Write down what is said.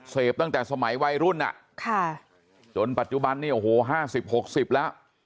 เสพตั้งแต่สมัยวัยรุ่นจนปัจจุบันเนี่ยโอ้โห๕๐๖๐แล้ว